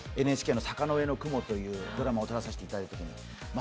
ＮＨＫの「坂の上の雲」というドラマを撮らせていただいて。